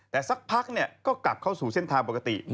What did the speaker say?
แต่สักพักก็กลับเข้าสู่เส้นทางปกติ